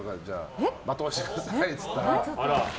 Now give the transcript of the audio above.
罵倒してくださいって言ったら。